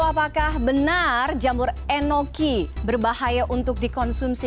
apakah benar jamur enoki berbahaya untuk dikonsumsi